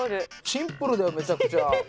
シンプルだよめちゃくちゃ。